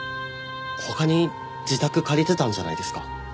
他に自宅借りてたんじゃないですか。